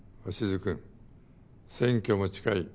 君選挙も近い。